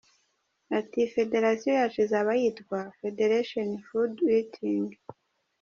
Ati ``federasiyo yacu izaba yitwa Federation Food Eating ".